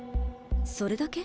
それだけ？